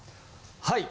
はい。